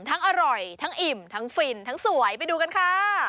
อร่อยทั้งอิ่มทั้งฟินทั้งสวยไปดูกันค่ะ